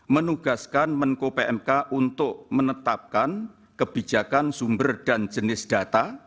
menugaskan menko pmk untuk menetapkan kebijakan sumber dan jenis data